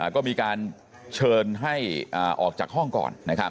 ก็มีการเชิญให้ออกจากห้องก่อน